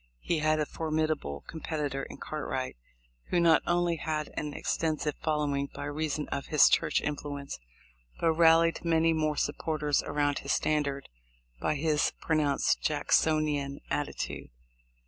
He had a formidable competi tor in Cartwright, who not only had an extensive following by reason of his church influence, but rallied many more supporters around his standard by his pronounced Jacksonian attitude.